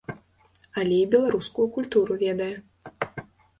Але і беларускую культуру ведае.